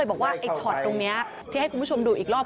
อีกช็อตตรงนี้ที่ให้คุณผู้ชมดูอีกรอบ